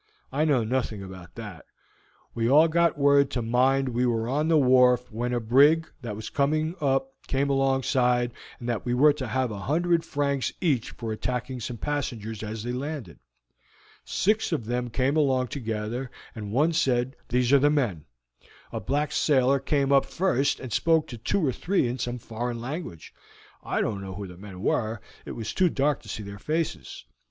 "I know nothing about that. We all got word to mind we were on the wharf when a brig, that was seen coming up, came alongside, and that we were to have a hundred francs each for attacking some passengers as they landed. Six of them came along together, and one said, 'These are the men.' A black sailor came up first and spoke to two or three men in some foreign language. I don't know who the men were; it was too dark to see their faces.